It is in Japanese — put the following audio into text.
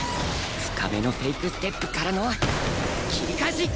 深めのフェイクステップからの切り返し！